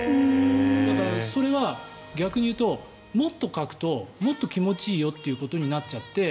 だから、それは逆に言うともっとかくともっと気持ちいいよということになっちゃって。